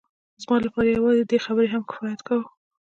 زما لپاره یوازې دې خبرې هم کفایت کاوه